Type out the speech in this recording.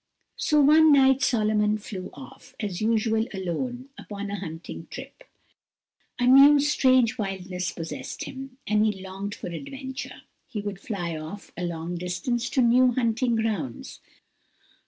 So one night Solomon flew off, as usual, alone, upon a hunting trip; a new, strange wildness possessed him, and he longed for adventures. He would fly off a long distance to new hunting grounds.